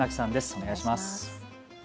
お願いします。